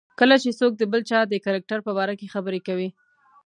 کله چې څوک د بل چا د کرکټر په باره کې خبرې کوي.